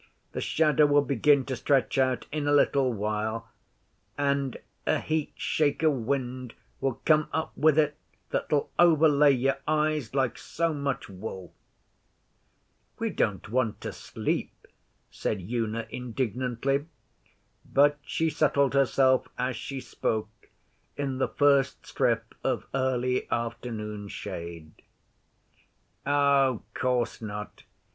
The shadow'll begin to stretch out in a little while, and a heat shake o' wind will come up with it that'll overlay your eyes like so much wool.' 'We don't want to sleep,' said Una indignantly; but she settled herself as she spoke, in the first strip of early afternoon shade. 'O' course not.